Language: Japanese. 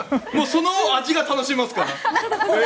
その味が楽しめますから。